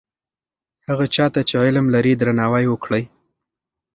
هغه چا ته چې علم لري درناوی وکړئ.